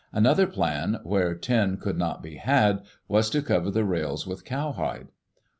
Another plan, where tin could not be had, was to cover the rails with cowhide.